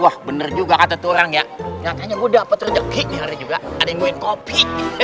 wah bener juga kata turang ya yang tanya gue dapat rezeki hari juga ada ingin kopi